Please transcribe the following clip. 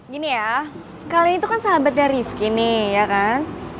gini ya kalian itu kan sahabatnya rifki nih ya kan